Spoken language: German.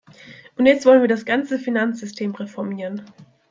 Und jetzt wollen wir das ganze Finanzsystem reformieren.